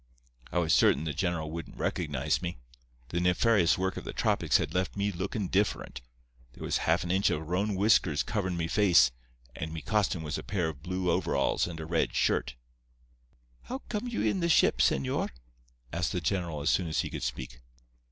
I was certain the general wouldn't recognize me. The nefarious work of the tropics had left me lookin' different. There was half an inch of roan whiskers coverin' me face, and me costume was a pair of blue overalls and a red shirt. "'How you come in the ship, señor?' asked the general as soon as he could speak.